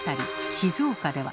静岡では。